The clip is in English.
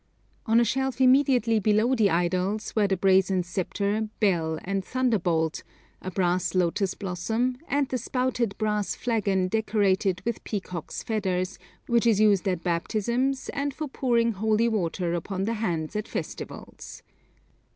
On a shelf immediately below the idols were the brazen sceptre, bell, and thunderbolt, a brass lotus blossom, and the spouted brass flagon decorated with peacocks' feathers, which is used at baptisms, and for pouring holy water upon the hands at festivals.